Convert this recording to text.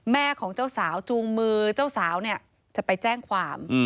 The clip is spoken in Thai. แม่ของเจ้าสาวจูงมือเจ้าสาวเนี่ยจะไปแจ้งความ